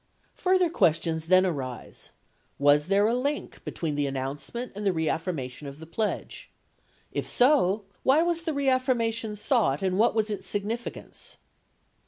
— Further questions then arise: was there a link between the announcement and the reaffirmation of the pledge ? If so, why was the reaffirmation sought and what was its significance